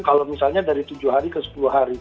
kalau misalnya dari tujuh hari ke sepuluh hari